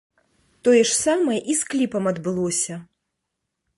Тое ж самае і з кліпам адбылося.